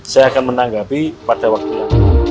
saya akan menanggapi pada waktunya